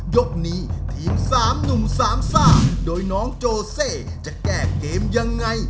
ยกนี้ทีมสามหนุ่มสามซ่าโดยน้องโจเซจะแก้เกมยังไง